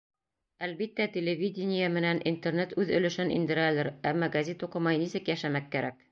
Әлбиттә, телевидение менән Интернет үҙ өлөшөн индерәлер, әммә гәзит уҡымай нисек йәшәмәк кәрәк?!